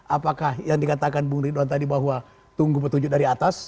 apakah yang dikatakan bung ridwan tadi bahwa tunggu petunjuk dari atas